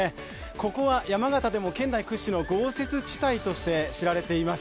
ここは山形でも県内屈指の豪雪地帯として知られています。